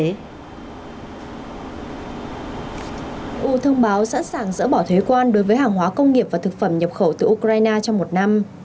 eu thông báo sẵn sàng dỡ bỏ thuế quan đối với hàng hóa công nghiệp và thực phẩm nhập khẩu từ ukraine trong một năm